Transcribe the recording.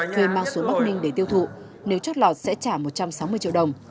thuê mang xuống bắc ninh để tiêu thụ nếu chót lọt sẽ trả một trăm sáu mươi triệu đồng